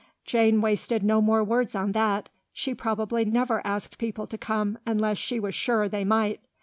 Jane wasted no more words on that; she probably never asked people to come unless she was sure they might.